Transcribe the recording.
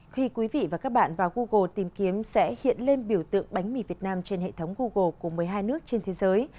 khi quý vị và các bạn vào google tìm kiếm sẽ hiện lên biểu tượng bánh mì việt nam trên hệ thống google của một mươi hai nước trên thế giới